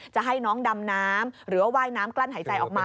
จะให้น้องดำน้ำหรือว่าว่ายน้ำกลั้นหายใจออกมา